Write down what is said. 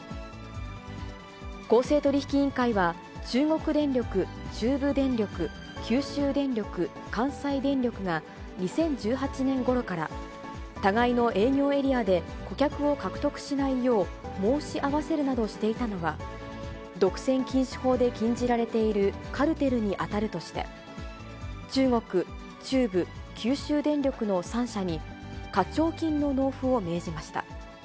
公正取引委員会は、中国電力、中部電力、九州電力、関西電力が２０１８年ごろから、互いの営業エリアで顧客を獲得しないよう、申し合わせるなどしていたのは、独占禁止法で禁じられているカルテルに当たるとして、中国、中部、九州電力の３社に、課徴金の納付を命じました。